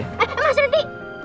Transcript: eh eh mas nanti